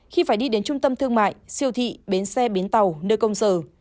khi phải đi đến trung tâm thương mại siêu thị bến xe bến tàu nơi công sở